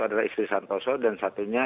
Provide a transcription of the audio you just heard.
adalah istri santoso dan satunya